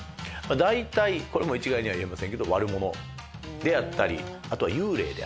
大体これも一概には言えませんけど悪者であったりあとは幽霊であったり。